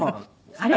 あれ？